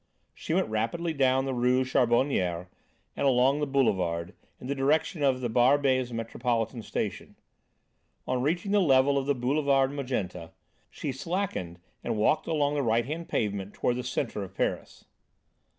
She went rapidly down the Rue Charbonnière and along the boulevard, in the direction of the Barbès Metropolitan Station. On reaching the level of the Boulevard Magenta, she slackened and walked along the right hand pavement toward the centre of Paris.